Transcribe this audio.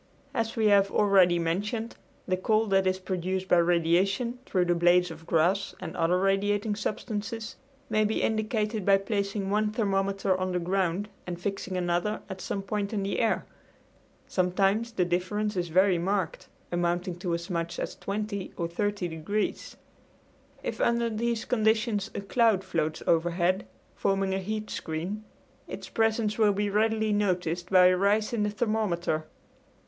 As we have already mentioned, the cold that is produced by radiation through the blades of grass and other radiating substances may be indicated by placing one thermometer on the ground and fixing another at some point in the air. Sometimes the difference is very marked, amounting to as much as 20 or 30 degrees. If under these conditions a cloud floats overhead, forming a heat screen, its presence will be readily noticed by a rise in the thermometer.